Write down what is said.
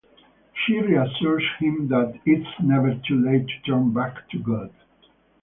She reassures him that it's never too late to turn back to God.